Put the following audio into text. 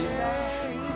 すごい！